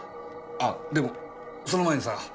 あでもその前にさ